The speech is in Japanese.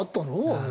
あれ。